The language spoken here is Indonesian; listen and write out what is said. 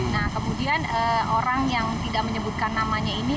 nah kemudian orang yang tidak menyebutkan namanya ini